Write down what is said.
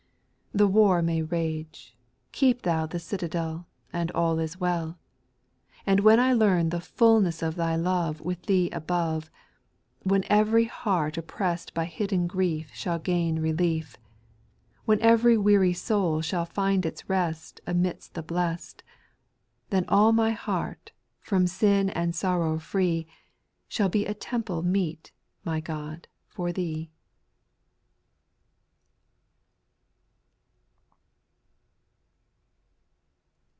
4. The war may rage ;— ^keep Thou the citadel, And all is well. And when' I learn the fulness of Thy love With Thee above — When ev'ry heart oppressed by hidden grief Shall gain relief; When ev'ry weary soul shall find its rest Amidst the blest, Then all my heart, from sin and sorrow free, Shall be a temple meet, my God, for Thee.